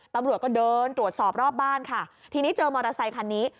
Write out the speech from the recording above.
ตำรวจก็เดินตรวจสอบรอบบ้านค่ะทีนี้เจอมอเตอร์ไซคันนี้